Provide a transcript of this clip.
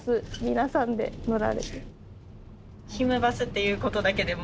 皆さんで乗られて。